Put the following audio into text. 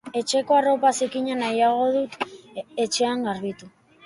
Etxeko arropa zikina nahiago dut etxean garbitu.